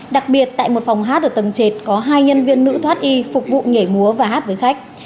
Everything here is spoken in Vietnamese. đặc biệt tại một phòng hát ở tầng trệt có hai nhân viên nữ thoát y phục vụ nhảy múa và hát với khách